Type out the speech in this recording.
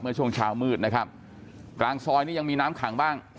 ช่วงเช้ามืดนะครับกลางซอยนี่ยังมีน้ำขังบ้าง